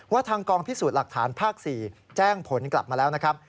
ทางกองพิสูจน์หลักฐานภาค๔แจ้งผลกลับมาแล้วนะครับ